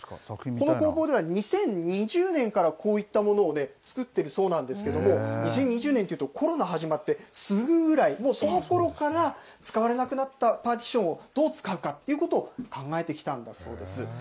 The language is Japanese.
この工房には２０２０年からこういったものを作ってるそうなんですけども、２０２０年というとコロナ始まってすぐぐらい、もうそのころから、使われなくなったパーティションをどう使うかということを考えてきたんだそうです。